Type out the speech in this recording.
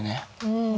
うん。